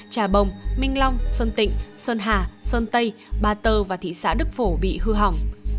trà bồng minh long sơn tịnh sơn hà sơn tây ba tơ và thị xã đức phổ bị hư hỏng